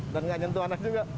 dan nggak nyentuh anak juga